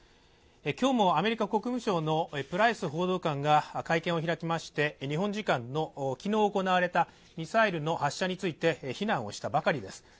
今日もアメリカ国務省のプライス報道官が会見を開きまして、日本時間の昨日行われたミサイルの発射について非難をしたばかりです。